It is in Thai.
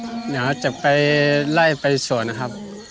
เดี๋ยวจะไปไล่ไปสวนนะครับ